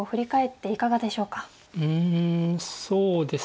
うんそうですね。